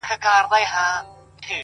عاجزي د لوی انسان نښه ده!